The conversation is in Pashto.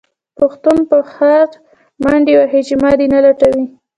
پښتون په خر منډې وهې چې ما دې نه لټوي.